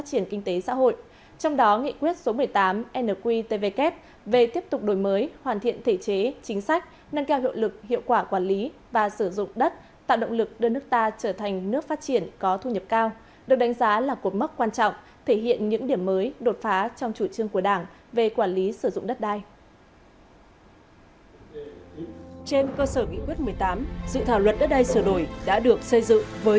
trên cơ sở nghị quyết một mươi tám sự thảo luận đất đai sửa đổi đã được xây dựng với nhiều điều mới